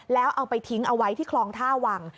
แล้วเอาไปทิ้งเอาไว้ที่คลองท่าวัง